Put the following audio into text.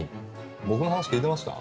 僕の話聞いてました？